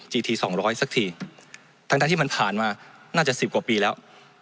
ทีทีสองร้อยสักทีทั้งที่มันผ่านมาน่าจะสิบกว่าปีแล้ว